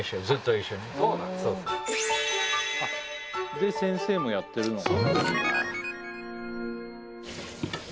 で先生もやってるのか。